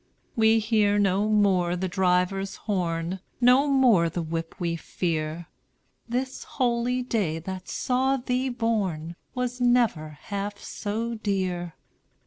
"We hear no more the driver's horn, No more the whip we fear; This holy day that saw thee born Was never half so dear.